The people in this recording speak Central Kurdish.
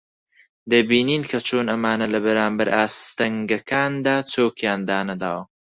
دەبینین کە چۆن ئەمانە لە بەرانبەر ئاستەنگەکاندا چۆکیان دانەداوە